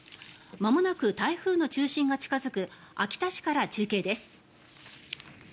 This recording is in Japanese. まもなく、台風の中心が近付く秋田市から中継です。